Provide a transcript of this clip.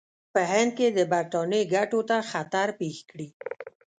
په هند کې د برټانیې ګټو ته خطر پېښ کړي.